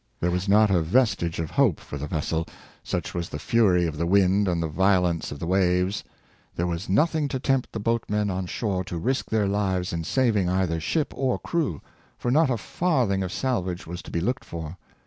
There was not a vestige of hope for the vessel, such was the fury of the wind and the violence of the waves. There was nothing to tempt the boatmen on shore to risk their lives in saving either ship or crew, for not a farthing of salvage was to be looked for.